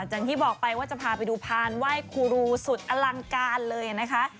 อย่างที่บอกไปว่าจะพาไปดูพานไหว้ครูรูสุดอลังการเลยนะคะ